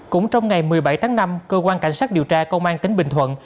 cũng trong ngày một mươi bảy tháng năm cơ quan cảnh sát điều tra công an tỉnh bình thuận